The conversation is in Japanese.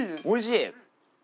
おいしい？